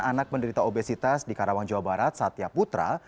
anak penderita obesitas di karawang jawa barat satya putra